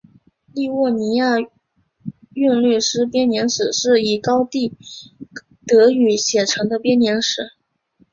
利沃尼亚韵律诗编年史是以高地德语写成的编年史。